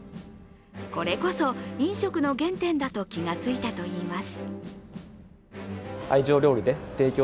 これこそ飲食の原点だと気が付いたといいます。